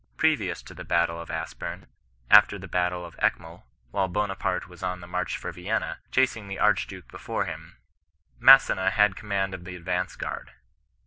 Previous to the battle of Aspem, after the battle of Eckmuhl, while Bonaparte was on the march for Vienna, chasing the Archduke before him, Masseaa had command of the advance guard.